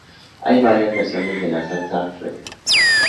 Hay varias versiones de la salsa alfredo.